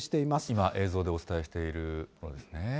今、映像でお伝えしているものですね。